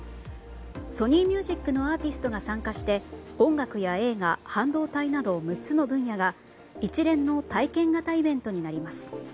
ソニーミュージックのアーティストが参加して音楽や映画、半導体など６つの分野が一連の体験型イベントになります。